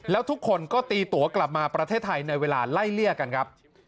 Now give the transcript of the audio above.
แล้วทุกคนก็ตีตัวกลับมาประเทศไทยในเวลาไล่เลี่ยกันครับ